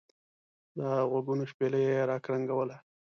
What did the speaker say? دغوږونو شپېلۍ را کرنګوله.